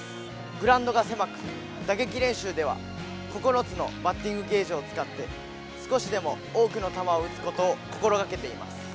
グラウンドが狭く打撃練習では９つのバッティングゲージを使って少しでも多くの球を打つことを心がけています。